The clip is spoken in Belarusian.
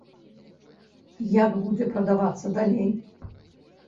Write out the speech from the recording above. Як будзе прадавацца далей?